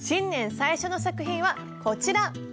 最初の作品はこちら！